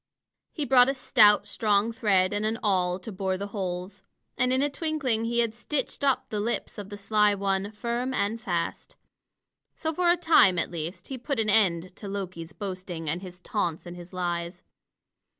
He brought a stout, strong thread and an awl to bore the holes. And in a twinkling he had stitched up the lips of the sly one, firm and fast. So for a time, at least, he put an end to Loki's boasting and his taunts and his lies.